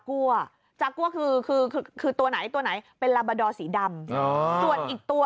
กลัวจากกลัวคือคือตัวไหนตัวไหนเป็นลาบาดอร์สีดำส่วนอีกตัว